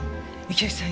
池内さん